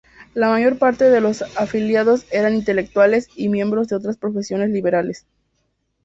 La mayor parte de los afiliados eran intelectuales y miembros de otras profesiones liberales.